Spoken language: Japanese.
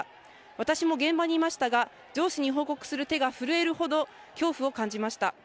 私も現場にいましたが、上司に報告する手が震えるほど震えるほど恐怖を感じました。